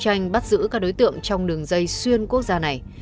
công an điện biên đã bắt giữ các đối tượng trong đường dây xuyên quốc gia này